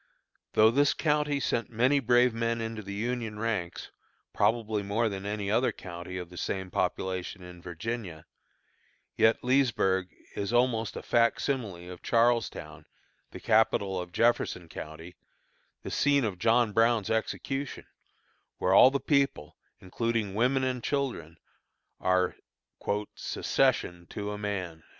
Though this county sent many brave men into the Union ranks, probably more than any other county of the same population in Virginia, yet Leesburg is almost a fac simile of Charlestown, the capital of Jefferson County, the scene of John Brown's execution, where all the people, including women and children, are "secession to a man."